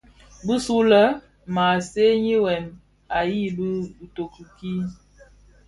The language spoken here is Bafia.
Bisulè maa seňi wêm a yibi itoki kii.